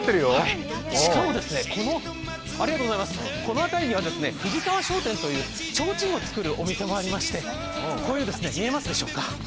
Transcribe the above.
しかもこの辺りにはちょうちんを作るお店もありましてこういう、見えますでしょうか。